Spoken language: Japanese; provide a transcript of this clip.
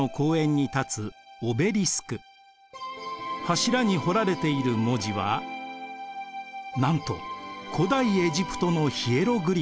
柱に彫られている文字はなんと古代エジプトのヒエログリフです。